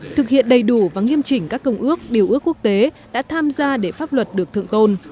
thực hiện đầy đủ và nghiêm chỉnh các công ước điều ước quốc tế đã tham gia để pháp luật được thượng tôn